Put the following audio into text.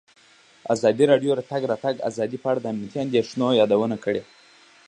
ازادي راډیو د د تګ راتګ ازادي په اړه د امنیتي اندېښنو یادونه کړې.